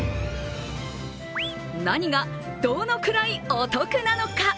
何がどのくらいお得なのか。